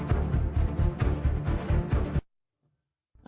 อืม